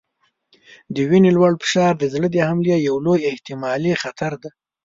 د وینې لوړ فشار د زړه د حملې یو لوی احتمالي خطر دی.